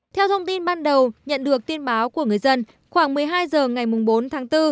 theo thông tin ban đầu nhận được tin báo của người dân khoảng một mươi hai h ngày bốn tháng bốn